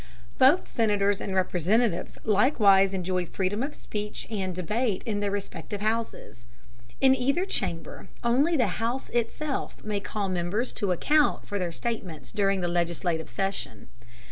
Both Senators and Representatives likewise enjoy freedom of speech and debate in their respective houses. In either chamber only the house itself may call members to account for their statements during the legislative session.